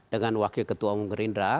dengan wakil ketua umum gerindra